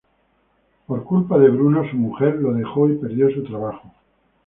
Por culpa de Bruno su mujer lo dejó y perdió su trabajo.